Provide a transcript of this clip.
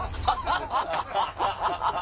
ハハハハ！